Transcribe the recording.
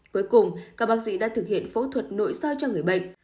cuối cùng các bác sĩ đã thực hiện phẫu thuật nội soi cho người bệnh